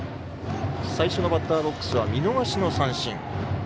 最初のバッターボックスは見逃しの三振。